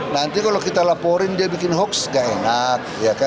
nanti kalau kita laporin dia bikin hoax gak enak